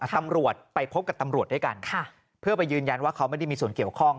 ตำรวจไปพบกับตำรวจด้วยกันเพื่อไปยืนยันว่าเขาไม่ได้มีส่วนเกี่ยวข้อง